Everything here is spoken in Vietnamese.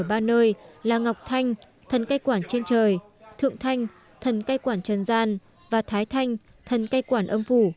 ở ba nơi là ngọc thanh thần cây quảng trên trời thượng thanh thần cây quản trần gian và thái thanh thần cây quản âm phủ